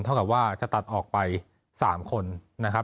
เท่ากับว่าจะตัดออกไป๓คนนะครับ